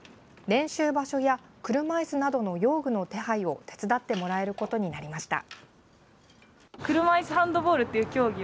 練習場所や車いすなどの用具の手配を手伝ってもらえることになりました。